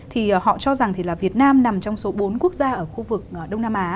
thì họ cho rằng thì là việt nam nằm trong số bốn quốc gia ở khu vực đông nam á